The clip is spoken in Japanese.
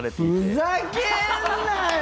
ふざけんなよ！